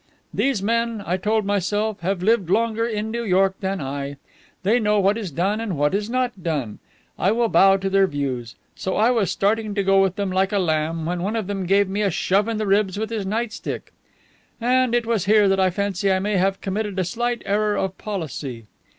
These men, I told myself, have lived longer in New York than I. They know what is done, and what is not done. I will bow to their views. So I was starting to go with them like a lamb, when one of them gave me a shove in the ribs with his night stick. And it was here that I fancy I may have committed a slight error of policy."